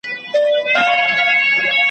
که تاریخونه مو په ریشتیا وای `